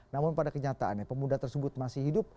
namun pada kenyataannya pemuda tersebut masih hidup